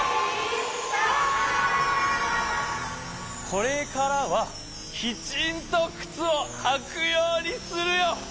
これからはきちんとくつをはくようにするよ！